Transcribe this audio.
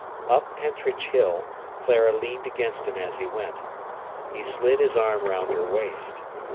Up Pentrich Hill Clara leaned against him as he went. He slid his arm round her waist.